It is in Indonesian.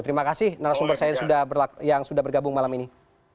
terima kasih narasumber saya yang sudah bergabung malam ini